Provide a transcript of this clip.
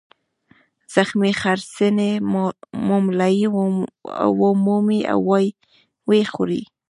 زخمي غرڅنۍ مُملایي ومومي او ویې خوري.